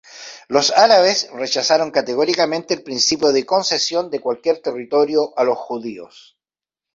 Los árabes rechazaron categóricamente el principio de concesión de cualquier territorio a los judíos.